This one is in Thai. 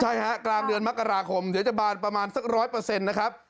ใช่ฮะกลางเดือนมกราคมเดี๋ยวจะบานประมาณสัก๑๐๐นะครับ